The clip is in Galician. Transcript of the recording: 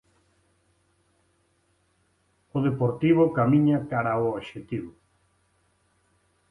O Deportivo camiña cara ao obxectivo.